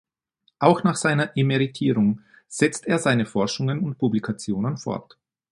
Auch nach seiner Emeritierung setzt er seine Forschungen und Publikationen fort.